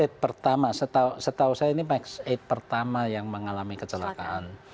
made pertama setahu saya ini max delapan pertama yang mengalami kecelakaan